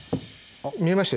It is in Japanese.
見えました？